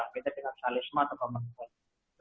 berbeda dengan salisma atau pemakuan